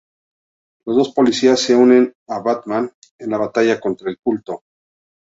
Los dos policías se unen a Batman en la batalla contra el culto.